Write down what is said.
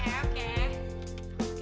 kayak gitu coba coba